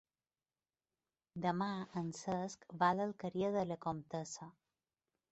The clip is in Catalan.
Demà en Cesc va a l'Alqueria de la Comtessa.